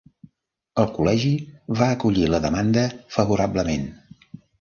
El Col·legi va acollir la demanda favorablement.